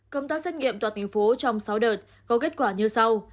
công tác xét nghiệm toàn thành phố trong sáu đợt có kết quả như sau